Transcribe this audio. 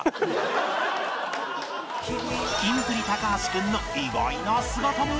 キンプリ橋君の意外な姿も